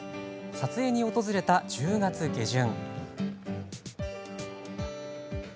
撮影に訪れた１０月下旬。